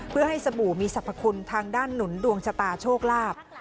เพื่อให้สบู่มีสรรพคุณทางด้านหนุนดวงชะตาโชคลาภ